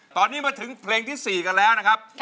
ตอนนี้มาถึงเพลงที่๔กันแล้วนะครับ